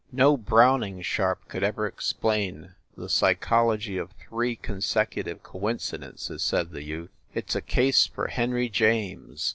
"No Browning sharp could ever explain the psy chology of three consecutive coincidences," said the youth. "It s a case for Henry James."